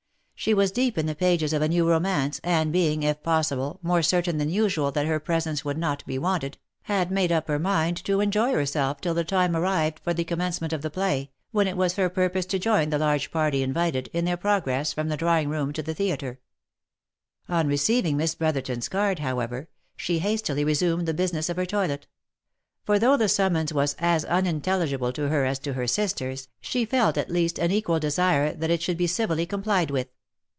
She was deep in the pages of a new romance, and being, if possible, more h 2 100 THE LIFE AND ADVENTURES certain than usual that her presence would not be wanted, had made up her mind to enjoy herself till the time arrived for the com mencement of the play, when it was her purpose to join the large party invited, in their progress from the drawing room to the theatre. On receiving Miss Brotherton's card, however, she hastily resumed the business of her toilet; for though the summons was as unintel ligible to her as to her sisters, she felt, at least, an equal desire that it should be civilly complied with.